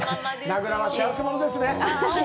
名倉は幸せ者ですね。